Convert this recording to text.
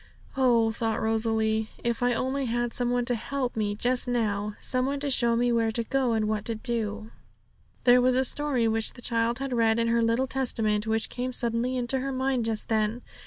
'Oh,' thought Rosalie, 'if I only had some one to help me just now some one to show me where to go, and what to do!' There was a story which the child had read in her little Testament, which came suddenly into her mind just then.